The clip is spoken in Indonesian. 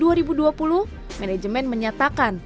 kerasna live menyampaikan